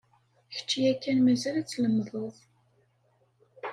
Kečč yakan mazal ad tlemmdeḍ.